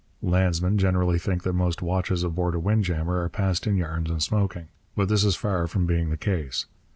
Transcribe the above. Landsmen generally think that most watches aboard a wind jammer are passed in yarns and smoking. But this is far from being the case.